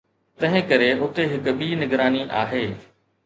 تنهنڪري اتي هڪ ٻي نگراني آهي